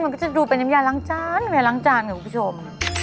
มันก็จะดูเป็นน้ำยาล้างจานน้ำยาล้างจานค่ะคุณผู้ชม